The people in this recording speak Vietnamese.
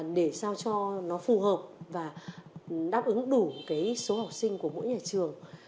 để sao cho nó phù hợp và đáp ứng đủ cái số học sinh của mỗi nhà trường